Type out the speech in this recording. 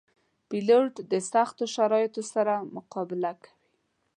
پیلوټ د سختو شرایطو سره مقابله کوي.